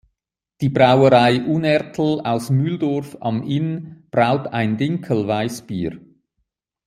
Die Brauerei Unertl aus Mühldorf am Inn braut ein Dinkel-Weißbier.